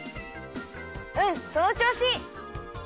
うんそのちょうし！